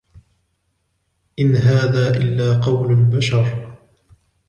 إن هذا إلا قول البشر